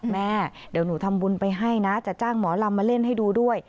แม่เดี๋ยวหนูทำบุญไปให้นะจะจ้างหมอลำมาเล่นให้ดูด้วย